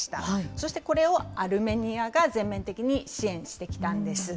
そしてこれをアルメニアが全面的に支援してきたんです。